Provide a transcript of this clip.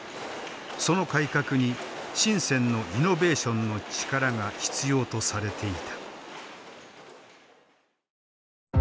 その改革に深のイノベーションの力が必要とされていた。